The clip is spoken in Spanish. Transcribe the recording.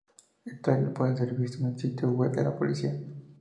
El trailer puede ser visto en el sitio web de la película.